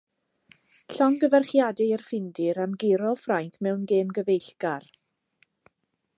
Llongyfarchiadau i'r Ffindir am guro Ffrainc mewn gêm gyfeillgar.